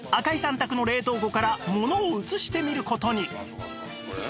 宅の冷凍庫から物を移してみる事に